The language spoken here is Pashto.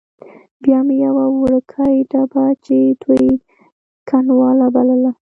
بیا مې یوه وړوکې ډبه چې دوی ګنډولا بلله.